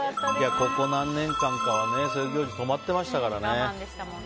ここ何年間かはそういう行事が止まっていましたから。